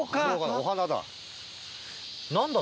お花だ。